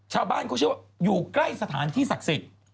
ชาวบ้านเขาเชื่อว่าอยู่ใกล้สถานที่ศักดิ์สิทธิ์